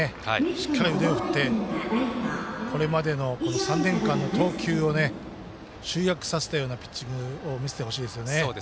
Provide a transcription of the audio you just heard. しっかり腕を振ってこれまでの３年間の投球をね集約させたようなピッチングを見せてほしいですよね。